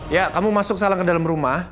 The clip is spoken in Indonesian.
ya kamu masuk salang ke dalam rumah